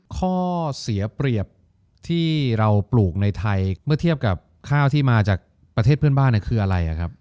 ข้อเสียเปรียบที่เราปลูกในไทยเมื่อเทียบกับข้าวที่มาจากประเทศเพื่อนบ้านคืออะไร